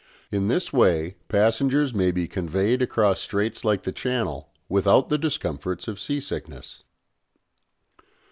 In this way passengers may be conveyed across straits like the Channel without the discomforts of sea sickness.